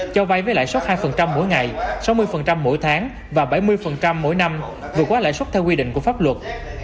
cho vay với lãi suất hai mỗi ngày sáu mươi mỗi tháng và bảy mươi mỗi năm vừa qua lãi suất theo quy định của pháp luật